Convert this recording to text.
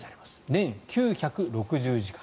年９６０時間。